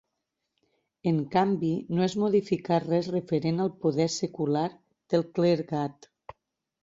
En canvi, no es modificà res referent al poder secular del clergat.